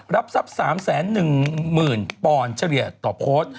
รับทรัพย์๓๑๐๐๐ปอนด์เฉลี่ยต่อโพสต์